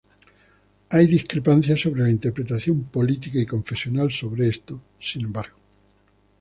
Hay discrepancias sobre la interpretación política y confesional sobre esto, sin embargo.